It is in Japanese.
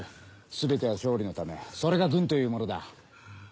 全ては勝利のためそれが軍というものだ。